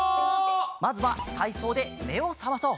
まずはたいそうでめをさまそう！